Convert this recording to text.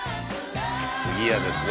次はですね